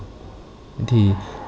thì làm thế nào